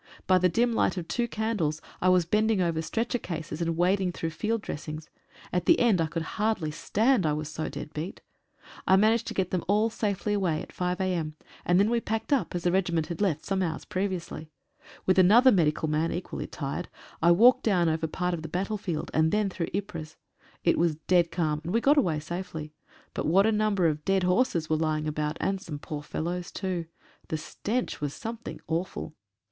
By the dim light of two candles I was bending over stretcher cases and wading through field dressings. At the end I could hardly stand, I was so dead beat. I managed to get them all safely away at 5 a.m., and then we packed up, as the regiment had left some hours previously. With another medical man, equally tired, I walked down over part of the battlefield, and then through Ypres. It was dt?ad calm, and we got away safely. But what a number of dead horses were lying about, and some poor fellows too. The stench was something awful.